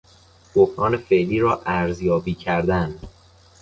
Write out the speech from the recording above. بحران فعلی را ارزیابی کردن